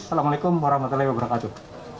assalamu'alaikum warahmatullahi wabarakatuh